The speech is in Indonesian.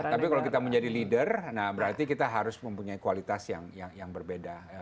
tapi kalau kita menjadi leader berarti kita harus mempunyai kualitas yang berbeda